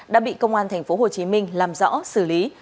đã bị công an tp hcm làm rõ xử lý